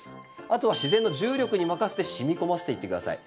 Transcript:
あとは自然の重力に任せて染み込ませていって下さい。